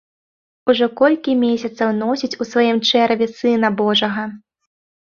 Ужо колькі месяцаў носіць у сваім чэраве сына божага.